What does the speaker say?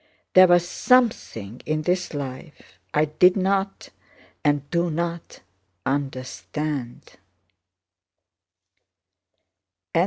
There was something in this life I did not and do not understand."